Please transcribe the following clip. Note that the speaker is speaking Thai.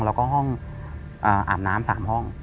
แล้วก็ห้องอาบน้ำ๓ห้อง